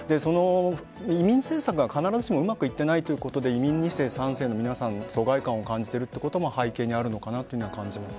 移民生産が必ずしもうまくいっていないってことで２世、３世の疎外感も感じていることも背景にあるのかなと感じます。